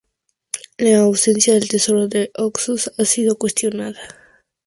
La autenticidad del tesoro del Oxus ha sido cuestionada.